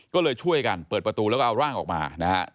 ก็เลยช่วยกันเปิดประตูแล้วก็เอาร่างออกมานะฮะ